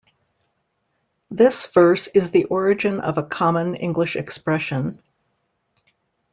This verse is the origin of a common English expression.